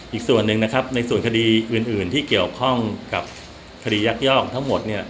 อีกส่วนหนึ่งนะครับในส่วนคดีอื่นที่เกี่ยวข้องกับคดียักยอกทั้งหมดเนี่ย